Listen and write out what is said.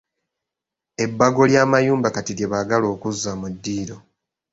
Ebbago ly'amayumba kati lye baagala okuzza mu ddiiro.